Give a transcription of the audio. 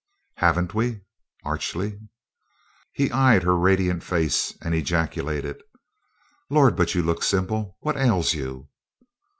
"Haven't we?" archly. He eyed her radiant face and ejaculated: "Lord, but you look simple! What ails you?"